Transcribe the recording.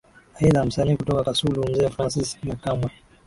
Aidha Msanii kutoka Kasulu Mzee Francis Nyakamwe